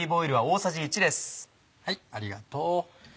ありがとう。